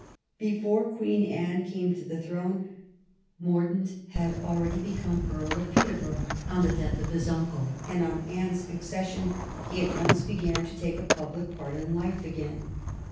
Before Queen Anne came to the throne Mordaunt had already become Earl of Peterborough on the death of his uncle, and on Anne's accession he at once began to take a public part in life again.